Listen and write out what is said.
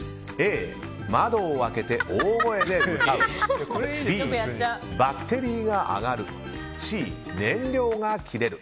Ａ、窓を開けて大声で歌うＢ、バッテリーが上がるＣ、燃料が切れる。